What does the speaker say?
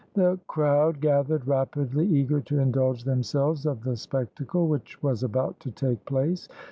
The crowd gathered rapidly, eager to indulge themselves of the spectacle which was about to take place.